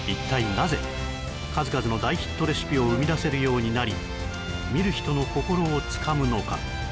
なぜ数々の大ヒットレシピを生み出せるようになり見る人の心をつかむのか